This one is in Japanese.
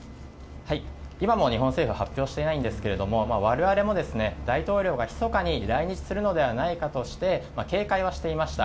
今も日本政府は発表していないんですが我々も、大統領がひそかに来日するのではないかとして警戒はしていました。